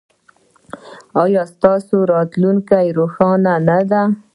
ایا ستاسو راتلونکې روښانه نه ده؟